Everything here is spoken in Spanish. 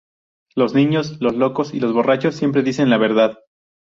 Los niños, los locos y los borrachos siempre dicen la verdad